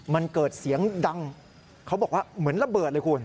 มันเกิดเสียงดังเขาบอกว่าเหมือนระเบิดเลยคุณ